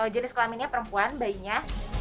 jenis kelaminnya perempuan bayinya